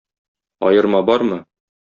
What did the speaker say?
Аерма бармы?